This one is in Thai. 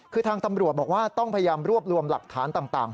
คือทางตำรวจบอกว่าต้องพยายามรวบรวมหลักฐานต่าง